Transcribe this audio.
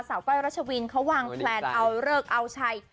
ก้อยรัชวินเขาวางแพลนเอาเลิกเอาชัย